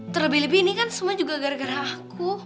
terlebih lebih ini kan semua juga gara gara aku